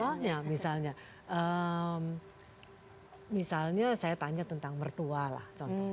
contohnya misalnya misalnya saya tanya tentang mertua lah